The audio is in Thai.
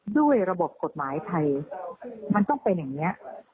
ด้วยระบบกฎหมายไทยมันต้องเป็นอย่างนี้